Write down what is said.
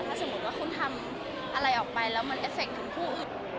ถ้าสมมุติว่าคุณทำอะไรออกไปแล้วมันเอฟเคถึงผู้อึด